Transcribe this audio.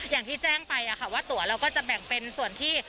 อย่างที่แจ้งไปว่าตัวเราก็จะแบ่งเป็นส่วนที่